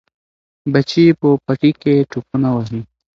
بچي یې په پټي کې ټوپونه وهي.